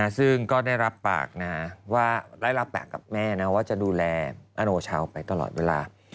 ซึ่งก็ได้รับปากนะว่าได้รับปากกับแม่นะว่าจะดูแลอโนชาวไปตลอดเวลา